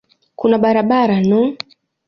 Kuna barabara no.